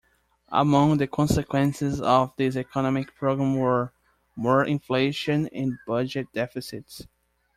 Among the consequences of this economic program were, more inflation and budget deficits.